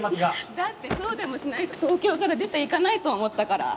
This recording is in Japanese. だってそうでもしないと東京から出ていかないと思ったから！